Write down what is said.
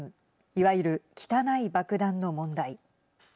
いわゆる、汚い爆弾の問題。